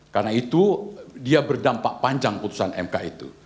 karena itu dia berdampak panjang putusan mk itu